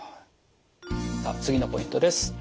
さあ次のポイントです。